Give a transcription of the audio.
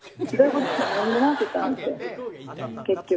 結局。